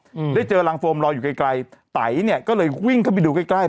อืมได้เจอรังโฟมลอยอยู่ไกลไกลเนี้ยก็เลยวิ่งเข้าไปดูใกล้ใกล้